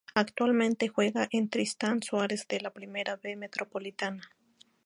Actualmente juega en Tristán Suárez de la Primera B Metropolitana.